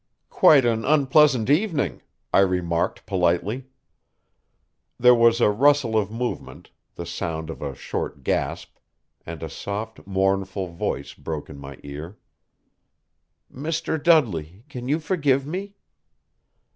"Quite an unpleasant evening," I remarked politely. There was a rustle of movement, the sound of a short gasp, and a soft, mournful voice broke on my ear. "Mr. Dudley can you forgive me?"